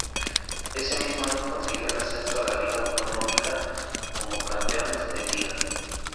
Ese mismo año consiguió el ascenso a la liga Autonómica, como campeones de liga.